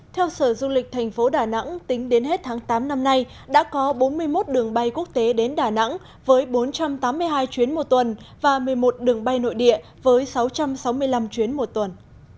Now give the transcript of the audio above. theo sở du lịch thành phố đà nẵng tính đến hết tháng tám năm nay đã có bốn mươi một đường bay quốc tế đến đà nẵng với bốn trăm tám mươi hai chuyến một tuần và một mươi một đường bay nội địa với sáu trăm sáu mươi năm chuyến một tuần